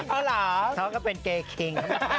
เขาก็เป็นเกรกวีน